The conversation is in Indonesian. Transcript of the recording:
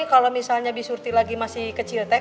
kalau misalnya bi surti lagi masih kecil teh